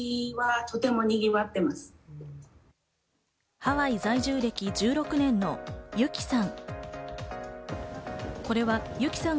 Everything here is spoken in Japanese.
ハワイ在住歴１６年のＹＵＫＩさん。